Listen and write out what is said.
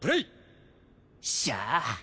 っしゃあ。